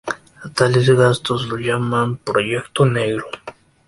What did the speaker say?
A tales gastos lo llaman "proyecto negro".